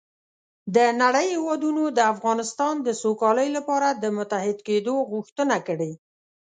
د نړۍ هېوادونو د افغانستان د سوکالۍ لپاره د متحد کېدو غوښتنه کړې